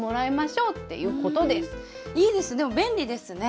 いいですね便利ですね。